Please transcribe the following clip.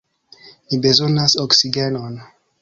Mi bezonas oksigenon.